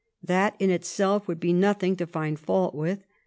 That in itself would be nothing to find fault with.